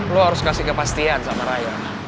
lo harus kasih kepastian sama raya